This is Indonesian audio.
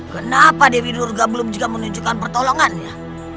kenapa dewi nurga belum juga menunjukkan pertolongannya